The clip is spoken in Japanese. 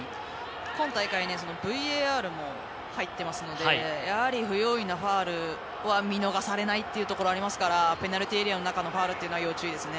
今大会ＶＡＲも入っていますしやはり、不用意なファウルは見逃されないところがありますからペナルティーエリアの中のファウルは要注意ですね。